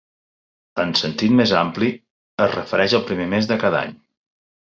En sentit més ampli, es refereix al primer mes de cada any.